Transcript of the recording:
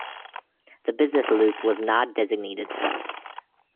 The business loop was not designated Bus.